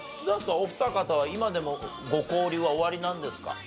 お二方は今でもご交流はおありなんですか？